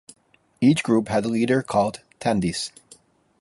Each group had a leader called "tandis".